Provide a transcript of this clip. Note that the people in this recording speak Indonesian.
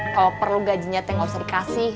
kalo perlu gajinya teh gausah dikasih